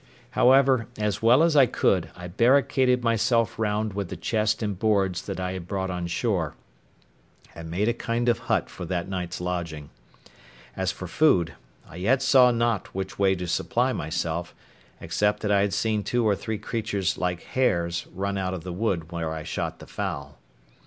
However, as well as I could, I barricaded myself round with the chest and boards that I had brought on shore, and made a kind of hut for that night's lodging. As for food, I yet saw not which way to supply myself, except that I had seen two or three creatures like hares run out of the wood where I shot the fowl.